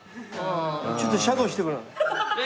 ちょっとシャドーしてごらん。